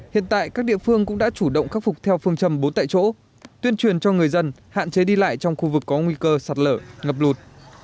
hiện tại các địa phương cũng đã chủ động khắc phục theo phương châm bốn tại chỗ tuyên truyền cho người dân hạn chế đi lại trong khu vực có nguy cơ sạt lở ngập lụt